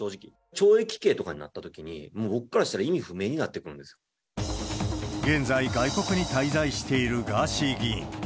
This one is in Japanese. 懲役刑とかになったときに、もう僕からしたら、意味不明になって現在、外国に滞在しているガーシー議員。